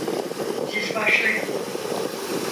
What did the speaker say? Siz başlayın.